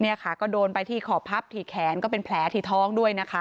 เนี่ยค่ะก็โดนไปที่ขอบพับที่แขนก็เป็นแผลที่ท้องด้วยนะคะ